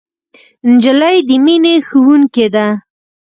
نجلۍ د مینې ښوونکې ده.